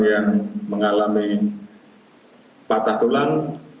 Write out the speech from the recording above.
yang mengalami patah tulang